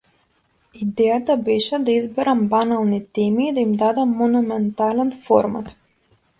Идејата беше да изберам банални теми и да им дадам монументален формат.